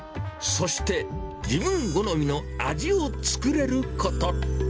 そして自分好みの味を作れること。